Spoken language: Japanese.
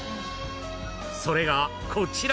［それがこちら］